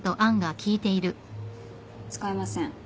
使えません。